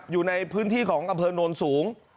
อยู่ในพื้นที่ของอำเภอโนนสูง